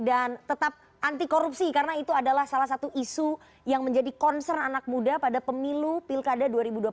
dan tetap anti korupsi karena itu adalah salah satu isu yang menjadi concern anak muda pada pemilu pilkada dua ribu dua puluh empat